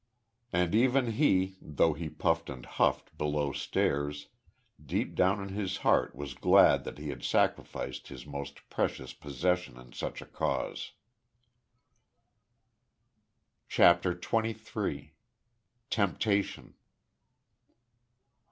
And even he, though he puffed and huffed below stairs, deep down in his heart was glad that he had sacrificed his most precious possession in such a cause. CHAPTER THIRTY THREE. TEMPTATION.